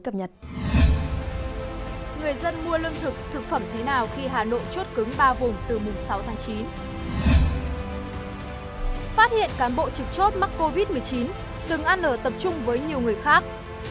phát hiện cán bộ trực chốt mắc covid một mươi chín từng ăn ở tập trung với nhiều người khác